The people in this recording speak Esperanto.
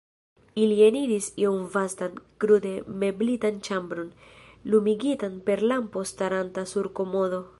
Ili eniris iom vastan, krude meblitan ĉambron, lumigitan per lampo staranta sur komodo.